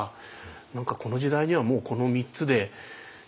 何かこの時代にはもうこの３つで手詰まり。